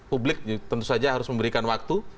publik tentu saja harus memberikan waktu